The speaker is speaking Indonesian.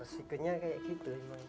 resikonya kayak gitu